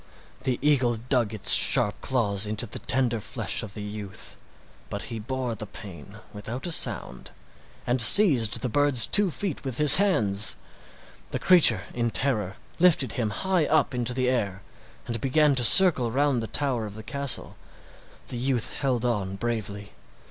The eagle dug its sharp claws into the tender flesh of the youth, but he bore the pain without a sound and seized the bird's two feet with his hands. The creature in terror lifted him high up into the air and began to circle round the tower of the castle. The youth held on bravely.